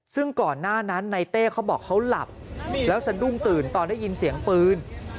ซึ่งก่อนหน้านั้นในเต้เขาบอกเขาหลับแล้วสะดุ้งตื่นตอนได้ยินเสียงปืน